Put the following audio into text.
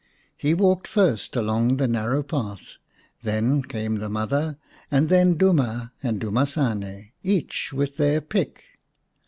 He walked first along the narrow path, then came the mother, and then Duma and Duma sane, each with their pick.